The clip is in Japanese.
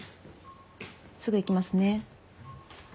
すぐ行きますね。